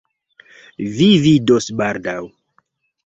Vi vidos baldaŭ.